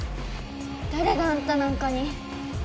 だれがあんたなんかに。